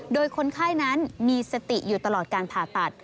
โดยคนไข้นั้นมีสติอยู่ตลอดการผ่าตัด